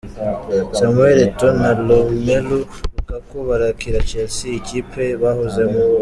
Samuel Eto’O na Lomelu Lukaku barakira Chelsea, ikipe bahozemo.